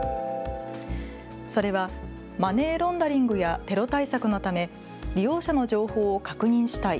それはマネーロンダリングやテロ対策のため利用者の情報を確認したい。